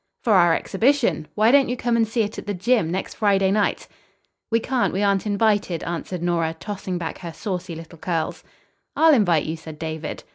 "For our exhibition. Why don't you come and see it at the gym. next Friday night?" "We can't. We aren't invited," answered Nora, tossing back her saucy little curls. "I'll invite you," said David.